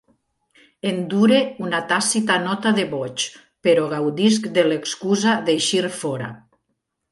Endure una tàcita nota de boig, però gaudisc de l'excusa d'eixir fora.